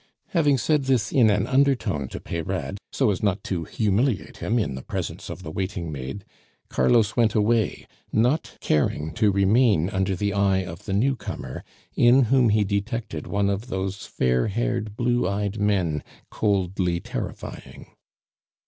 Having said this in an undertone to Peyrade, so as not to humiliate him in the presence of the waiting maid, Carlos went away, not caring to remain under the eye of the newcomer, in whom he detected one of those fair haired, blue eyed men, coldly terrifying.